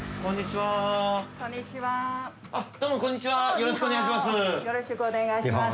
よろしくお願いします。